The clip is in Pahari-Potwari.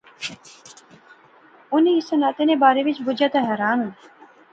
انی اس ناطے نے بارے چ بجیا تہ حیران ہوئی